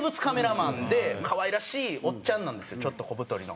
可愛らしいおっちゃんなんですよちょっと小太りの。